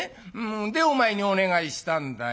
でお前にお願いしたんだよ。